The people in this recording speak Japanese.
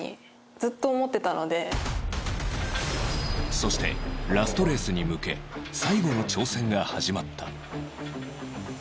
そしてラストレースに向け最後の挑戦が始まった